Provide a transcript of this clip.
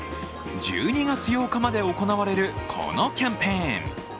１２月８日まで行われるこのキャンペーン。